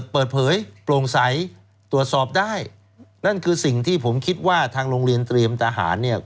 เปิดเผยโปร่งใสตรวจสอบได้นั่นคือสิ่งที่ผมคิดว่าทางโรงเรียนเตรียมทหารเนี่ย